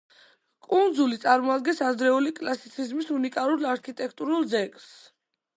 კუნძული წარმოადგენს ადრეული კლასიციზმის უნიკალურ არქიტექტურულ ძეგლს.